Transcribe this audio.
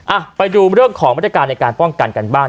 อ่ะไปดูเรื่องของมาตรการในการป้องกันกันบ้าง